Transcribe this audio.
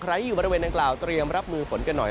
ที่อยู่บริเวณดังกล่าวเตรียมรับมือฝนกันหน่อย